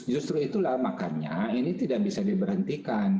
justru itulah makanya ini tidak bisa diberhentikan